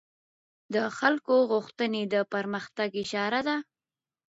د خلکو غوښتنې د پرمختګ اشاره ده